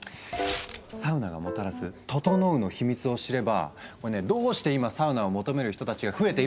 サウナがもたらす「ととのう」の秘密を知ればどうして今サウナを求める人たちが増えているのか？